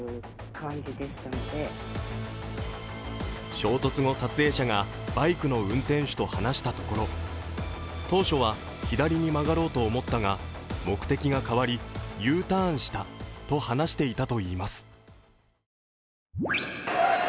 衝突後、撮影者がバイクの運転手と話したところ、当初は左に曲がろうと思ったが目的が変わりＵターンしたと話していたといいます。